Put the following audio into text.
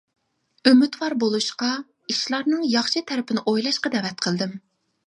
ئۈمىدۋار بولۇشقا، ئىشلارنىڭ ياخشى تەرىپىنى ئويلاشقا دەۋەت قىلدىم.